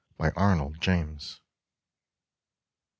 31 ARNOLD JAMES. I.